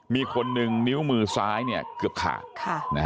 มีคนนึงนิ้วมือซ้ายเนี่ยเกือบขาด